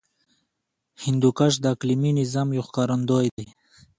هندوکش د اقلیمي نظام یو ښکارندوی دی.